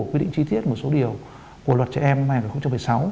quy định chi tiết một số điều của luật trẻ em năm hai nghìn một mươi sáu